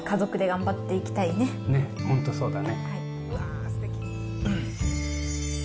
ねっ、本当そうだね。